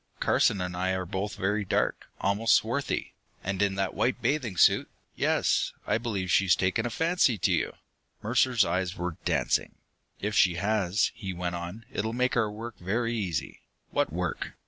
Carson and I are both very dark, almost swarthy. And in that white bathing suit yes, I believe she's taken a fancy to you!" Mercer's eyes were dancing. "If she has," he went on, "it'll make our work very easy." "What work?"